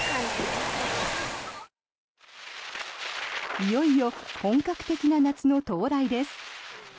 いよいよ本格的な夏の到来です。